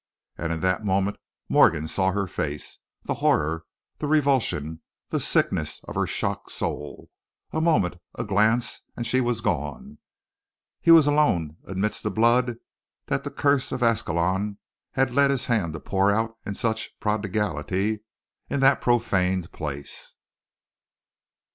And in that moment Morgan saw her face; the horror, the revulsion, the sickness of her shocked soul. A moment, a glance, and she was gone. He was alone amidst the blood that the curse of Ascalon had led his hand to pour out in such prodigality in that profaned place.